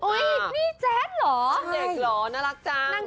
โอ้ยนี่แจ๊สเหรอนักเด็กเหรอน่ารักจัง